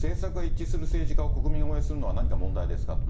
政策が一致する政治家を国民が応援するのは何が問題なのかと。